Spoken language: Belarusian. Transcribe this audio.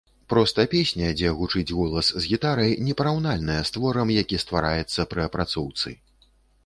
Проста песня, дзе гучыць голас з гітарай, непараўнальная з творам, які ствараецца пры апрацоўцы.